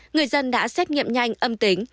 người dân đã xét nghiệm nhanh âm tính